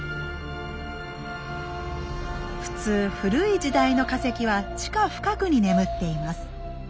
普通古い時代の化石は地下深くに眠っています。